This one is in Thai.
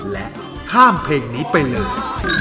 และข้ามเพลงนี้ไปเลย